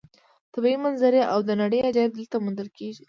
طبیعي منظرې او د نړۍ عجایب دلته موندل کېږي.